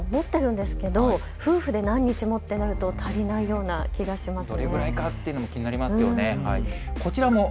持っているんですけど夫婦で何日もってなると足りないような気がします。